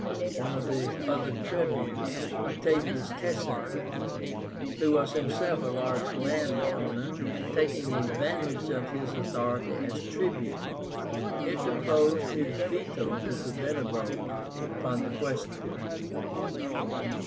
One of the other Tribunes, OCTAVIUS CAECÍNA, who was himself a large land owner, taking advantage of his authority as Tribune, interposed his veto to prevent a vote upon the question.